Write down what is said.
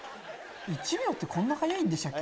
１秒ってこんな早いんでしたっけ？